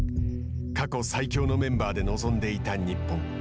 過去最強のメンバーで臨んでいた日本。